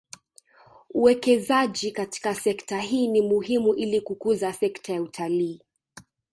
Uwekezaji katika sekta hii ni muhimu ili kukuza sekta ya utalii